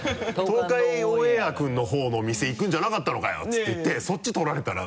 「東海オンエア君のほうの店行くんじゃなかったのかよ」って言ってそっち取られたら。